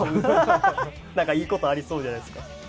なんかいい事ありそうじゃないですか。